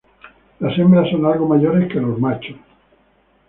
Las hembras son algo mayores que los machos.